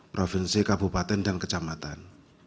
provinsi kabupaten dan kecamatan